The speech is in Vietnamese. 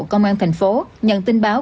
công an thành phố nhận tin báo